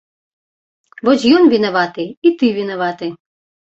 Вось ён вінаваты і ты вінаваты!